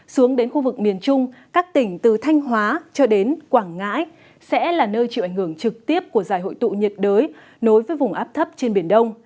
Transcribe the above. xuống đến khu vực miền trung các tỉnh từ thanh hóa cho đến quảng ngãi sẽ là nơi chịu ảnh hưởng trực tiếp của giải hội tụ nhiệt đới nối với vùng áp thấp trên biển đông